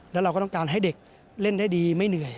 แล้วเราก็ต้องการให้เด็กเล่นได้ดีไม่เหนื่อย